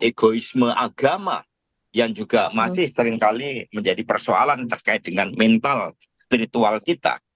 egoisme agama yang juga masih seringkali menjadi persoalan terkait dengan mental spiritual kita